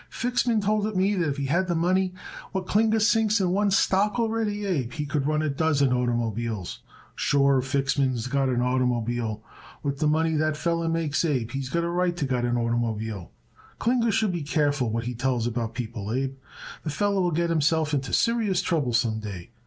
"Fixman told it me that if he had the money what Klinger sinks in one stock already, Abe, he could run a dozen oitermobiles. Sure, Fixman's got an oitermobile. With the money that feller makes, Abe, he's got a right to got on oitermobile. Klinger should be careful what he tells about people, Abe. The feller will get himself into serious trouble some day.